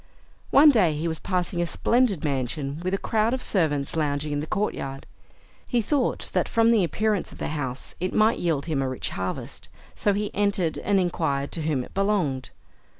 One day he was passing a splendid mansion, with a crowd of servants lounging in the courtyard. He thought that from the appearance of the house it might yield him a rich harvest, so he entered and inquired to whom it belonged.